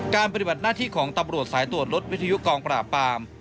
ปฏิบัติหน้าที่ของตำรวจสายตรวจรถวิทยุกองปราบปาม